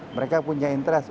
mereka punya interest